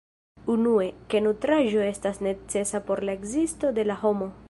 Unue, ke nutraĵo estas necesa por la ekzisto de la homo.